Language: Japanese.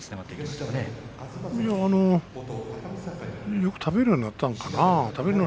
よく食べるようになったのかな。